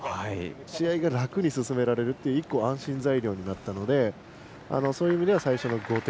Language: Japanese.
試合が楽に進められるという１個安心材料になったのでそういう意味では最初の５点。